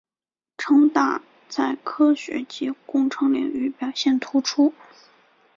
城大在科学及工程领域表现突出。